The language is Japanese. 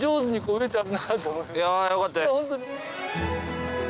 いやよかったです。